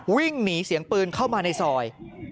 วิ่งหนีเสียงปืนเข้ามาในซอย